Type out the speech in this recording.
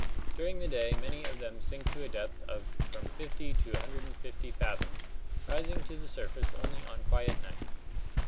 During the day many of them sink to a depth of from 50 to 150 fathoms, rising to the surface only on quiet nights.